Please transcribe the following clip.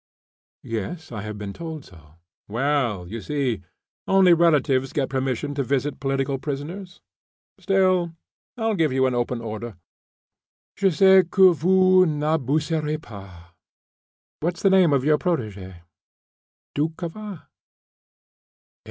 "Yes, I have been told so." "Well, you see, only relatives get permission to visit political prisoners. Still, I'll give you an open order. Je sais que vous n'abuserez pas. What's the name of your protegee? Doukhova?